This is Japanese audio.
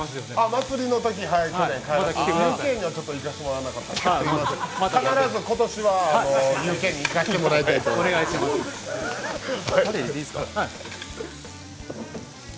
祭りのときにはＵ．Ｋには行かせてもらわなかったんですけど必ず、今年はＵ．Ｋに行かせてもらいますんで。